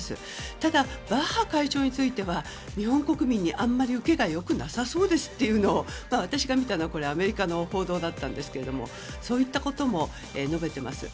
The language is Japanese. ただ、バッハ会長については日本国民にあんまり受けが良くなさそうですというのを私が見たのはアメリカの報道だったんですがそういったことも述べています。